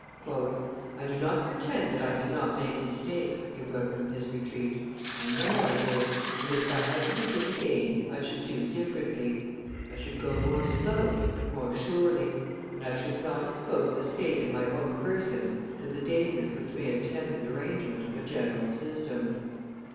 "I do not pretend that I did not make mistakes," he wrote from his retreat; "I know I did, and that if I had to begin again I should do differently. I should go more slowly but more surely, and I should not expose the state and my own person to the dangers which may attend the derangement of a general system."